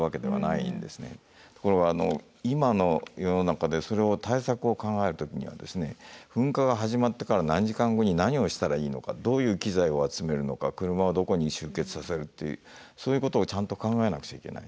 ところが今の世の中でそれを対策を考える時にはですね噴火が始まってから何時間後に何をしたらいいのかどういう機材を集めるのか車はどこに集結させるっていうそういうことをちゃんと考えなくちゃいけない。